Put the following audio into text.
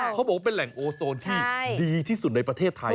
เขาบอกว่าเป็นแหล่งโอโซนที่ดีที่สุดในประเทศไทย